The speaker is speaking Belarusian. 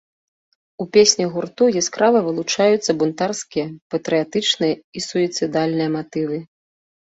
У песнях гурту яскрава вылучаюцца бунтарскія, патрыятычныя і суіцыдальныя матывы.